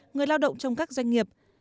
người lao động trong các doanh nghiệp